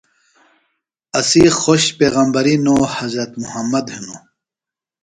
اسی خوش پیغمبری نو حضرت مُحمد ہِنوۡ۔